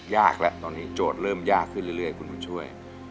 ยากแล้วตอนนี้โจทย์เริ่มยากขึ้นเรื่อยคุณบุญช่วย